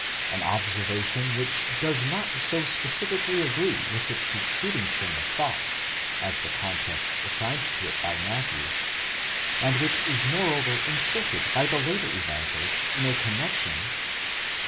an observation which does not so specifically agree with the preceding train of thought, as the context assigned to it by Matthew, and which is moreover inserted by the latter Evangelist in a connexion (xiii.